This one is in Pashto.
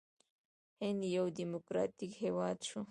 هند یو ډیموکراټیک هیواد شو.